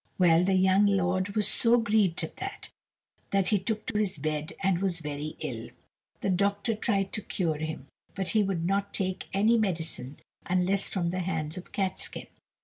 Well, the young lord was so grieved at that, that he took to his bed and was very ill. The doctor tried to cure him, but he would not take any medicine unless from the hands of Catskin.